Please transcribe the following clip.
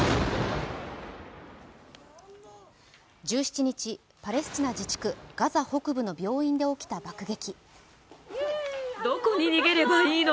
１７日、パレスチナ自治区ガザ北部の病院で起きた爆撃。